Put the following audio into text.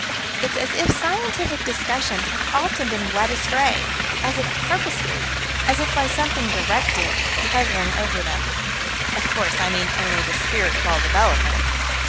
It's as if scientific discussions have often been led astray as if purposefully as if by something directive, hovering over them. Of course I mean only the Spirit of all Development.